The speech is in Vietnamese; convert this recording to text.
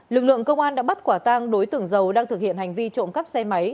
lực lượng công an đã bắt quả tang đối tượng dầu đang thực hiện hành vi trộm cắp xe máy